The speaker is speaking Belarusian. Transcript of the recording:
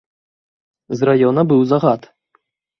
З раёна быў загад.